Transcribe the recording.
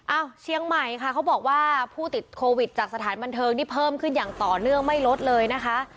เชียงใหม่ค่ะเขาบอกว่าผู้ติดโควิดจากสถานบันเทิงนี่เพิ่มขึ้นอย่างต่อเนื่องไม่ลดเลยนะคะ